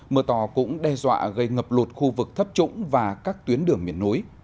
mưa to cũng đe dọa gây ngập lụt khu vực thấp trũng và các tuyến đường miền núi